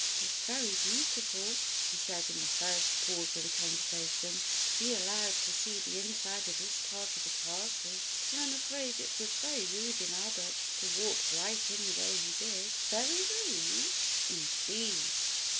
"It is very beautiful," she said in the first pause of the conversation, "to be allowed to see the inside of this part of the castle, but I am afraid it was very rude in Albert to walk right in the way he did." "Very rude?" Indeed!